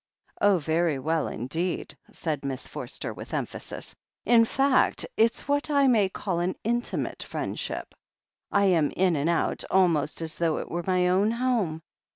"Oh, very well indeed," said Miss Forster with emphasis. "In fact, it's what I may call an intimate friendship — I am in and out almost as though it were my own home.